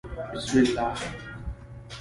بسم الله